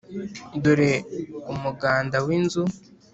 dore umuganda w'inzu.